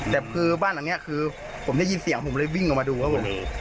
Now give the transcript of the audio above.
แต่คือบ้านหลังนี้คือผมได้ยินเสียงผมเลยวิ่งออกมาดูครับผม